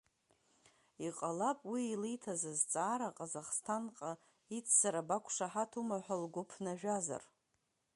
Иҟалап уи илиҭаз азҵаара, Ҟазахсҭанҟа иццара бақәшаҳаҭума ҳәа лгәы ԥнажәазар…